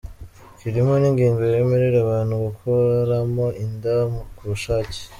kirimo n’ingingo yemerera abantu gukuramo inda ku bushake